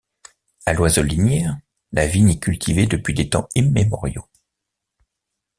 À l’Oiselinière, la vigne est cultivée depuis des temps immémoriaux.